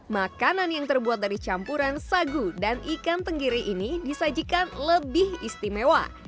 makanan yang terbuat dari campuran sagu dan ikan tenggiri ini disajikan lebih istimewa